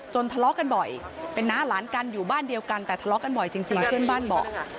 ทะเลาะกันบ่อยเป็นน้าหลานกันอยู่บ้านเดียวกันแต่ทะเลาะกันบ่อยจริงเพื่อนบ้านบอก